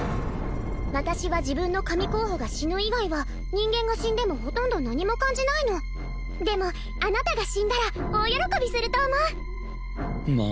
私は自分の神候補が死ぬ以外は人間が死んでもほとんど何も感じないのでもあなたが死んだら大喜びすると思うまあ